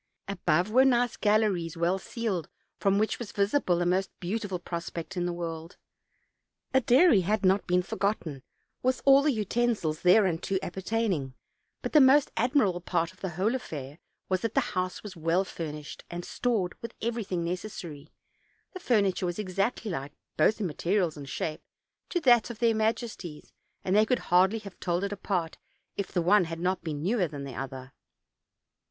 Above were nice galleries, well ceiled, from which was visible the most beautiful prospect in the world. A dairy had not been forgotten, with all the utensils thereunto appertain ing; but the most admirable part of the whole affair was, that the house was well furnished and stored with every thing necessary; the furniture was exactly like, both in materials and shape, to that of their majesties, and they could hardly have told it apart, if the one had not been newer than the other.